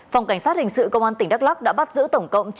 phòng cảnh sát hình sự công an tỉnh đắk lắc đã bắt giữ tổng cộng